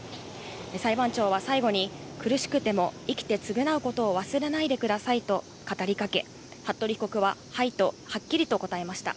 裁判長は最後に、苦しくても生きて償うことを忘れないでくださいと語りかけ、服部被告ははいとはっきりと答えました。